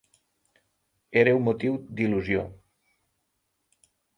Era un motiu d’il·lusió.